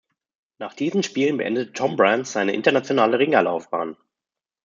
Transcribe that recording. Nach diesen Spielen beendete Tom Brands seine internationale Ringerlaufbahn.